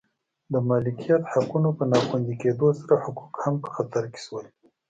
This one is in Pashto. د مالکیت حقونو په نا خوندي کېدو سره حقوق هم په خطر کې شول